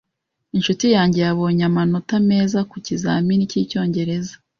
Inshuti yanjye yabonye amanota meza mukizamini cyicyongereza.